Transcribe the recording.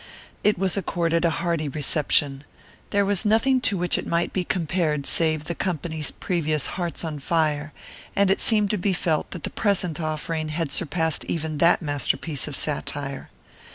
It was accorded a hearty reception. There was nothing to which it might be compared save the company's previous Hearts on Fire, and it seemed to be felt that the present offering had surpassed even that masterpiece of satire.